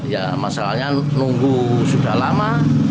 ya masalahnya nunggu sudah lama